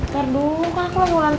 tarduuu kan aku mau lantai